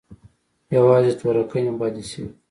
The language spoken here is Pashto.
يوازې تورکى مې بد اېسېد.